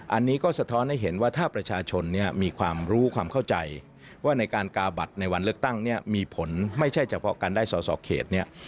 อันนี้ก็สะท้อนให้เห็นว่าถ้าประชาชนเนี่ยมีความรู้ความเข้าใจว่าในการกาบัตรในวันเลือกตั้งเนี่ยมีผลไม่ใช่เฉพาะการได้สอสอเขตเนี่ย